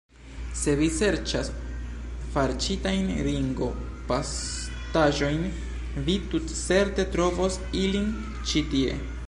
Se vi serĉas farĉitajn ringo-pastaĵojn, vi tutcerte trovos ilin ĉi tie!